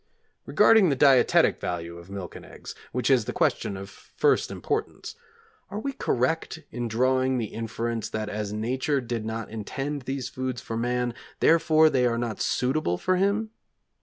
Regarding the dietetic value of milk and eggs, which is the question of first importance, are we correct in drawing the inference that as Nature did not intend these foods for man, therefore they are not suitable for him?